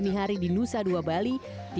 nyari di nusa dua bali